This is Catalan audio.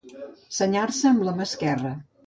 Senyar-se amb la mà esquerra.